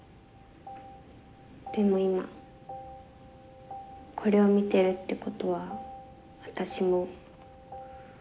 でも今これを見てるってことは私もう。